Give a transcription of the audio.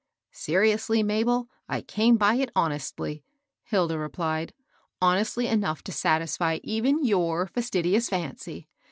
" Seriously, Mabel, I came by it honestly,'* Hilda replied, —" honestly enough to satisfy even your fastidious fancy.